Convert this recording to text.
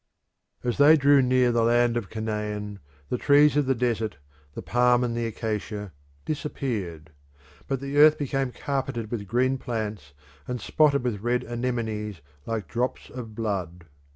As they drew near the land of Canaan the trees of the desert, the palm and the acacia, disappeared. But the earth became carpeted with green plants and spotted with red anemones like drops of blood.